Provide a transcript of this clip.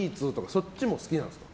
そっちも好きなんですか？